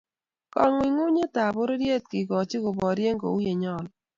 Kangungunyetab pororiet kekoch koborie kouyenyolu